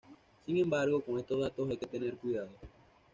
Sin embargo con estos datos hay que tener cuidado.